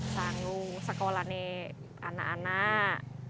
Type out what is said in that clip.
sanggung sekolah nih anak anak